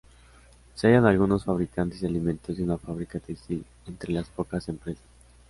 Se hallan algunos fabricantes de alimentos y una fábrica textil entre las pocas empresas.